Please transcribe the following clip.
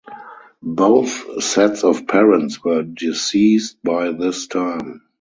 Both sets of parents were deceased by this time.